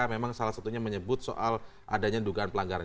memang salah satunya menyebut soal adanya dugaan pelanggaran